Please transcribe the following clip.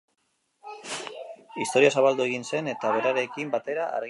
Istorioa zabaldu egin zen, eta, berarekin batera, argia sartu zen.